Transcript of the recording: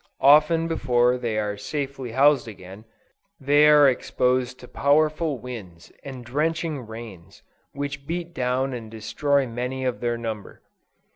Often before they are safely housed again, they are exposed to powerful winds and drenching rains, which beat down and destroy many of their number.